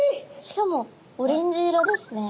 しかもオレンジ色ですね。